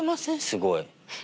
すごい。